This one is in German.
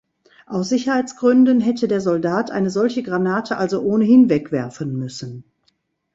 Aus Sicherheitsgründen hätte der Soldat eine solche Granate also ohnehin wegwerfen müssen.